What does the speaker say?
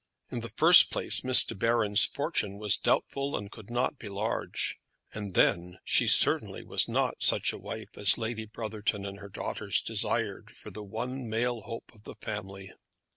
In the first place, Miss De Baron's fortune was doubtful and could not be large; and then she certainly was not such a wife as Lady Brotherton and her daughters desired for the one male hope of the family.